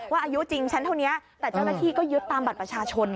อายุจริงฉันเท่านี้แต่เจ้าหน้าที่ก็ยึดตามบัตรประชาชน